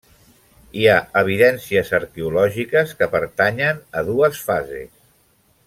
Hi ha evidències arqueològiques que pertanyen a dues fases.